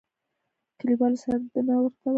کلیوالو سردنه ورته ويل.